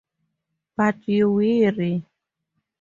But you’re wiry.